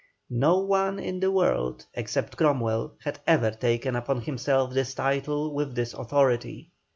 No one in the world, except Cromwell, had ever taken upon himself this title with this authority.